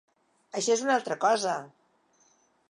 Això és una altra cosa!